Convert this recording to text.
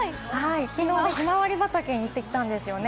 ひまわり畑に行ってきたんですよね。